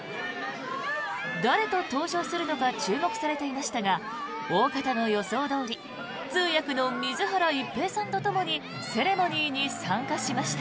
誰と登場するのか注目されていましたが大方の予想どおり通訳の水原一平さんとともにセレモニーに参加しました。